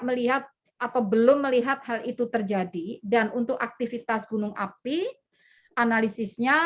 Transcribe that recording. melihat atau belum melihat hal itu terjadi dan untuk aktivitas gunung api analisisnya